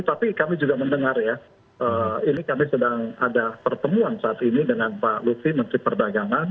tapi kami juga mendengar ya ini kami sedang ada pertemuan saat ini dengan pak lutfi menteri perdagangan